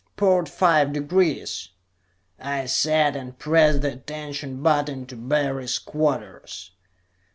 "Port five degrees," I said, and pressed the attention button to Barry's quarters.